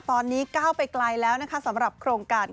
ตอนนี้ก้าวไปไกลแล้วนะคะสำหรับโครงการ